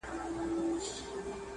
چي سياسي هايبريډيټي مديريت کړل سي